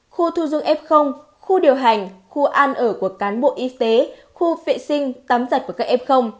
khu thu dung f khu điều hành khu ăn ở của cán bộ y tế khu vệ sinh tắm giật của các f